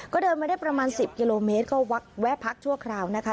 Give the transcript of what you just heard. ก็เดินมาได้ประมาณ๑๐กิโลเมตรก็แวะพักชั่วคราวนะคะ